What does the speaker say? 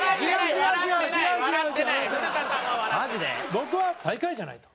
古田：僕は、最下位じゃない。